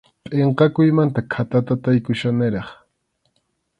Pʼinqakuymanta khatatataykuchkaniraq.